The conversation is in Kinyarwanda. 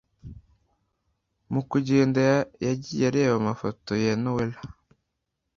mukugenda yagiye areba amafoto ya noella